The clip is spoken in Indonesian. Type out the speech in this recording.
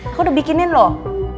aku udah bikinin loh